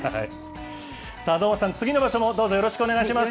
能町さん、次の場所もよろしくお願いします。